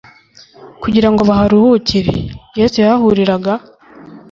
kugira ngo baharuhukire. Yesu yahahuriraga